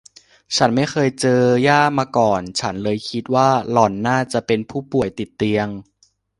ฉันไม่เคยเจอย่ามาก่อน ฉันเลยคิดว่าหล่อนน่าจะเป็นผู้ป่วยติดเตียง